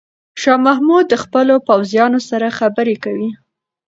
شاه محمود د خپلو پوځیانو سره خبرې کوي.